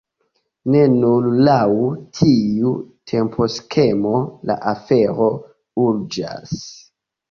Ne nur laŭ tiu temposkemo la afero urĝas.